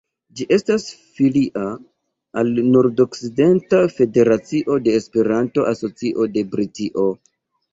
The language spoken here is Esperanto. Ĝi estas filia al la Nord-Okcidenta Federacio de Esperanto-Asocio de Britio.